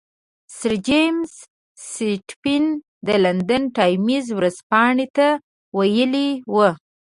سر جیمز سټیفن د لندن ټایمز ورځپاڼې ته ویلي وو.